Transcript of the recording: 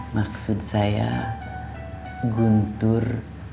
maksud saya guntur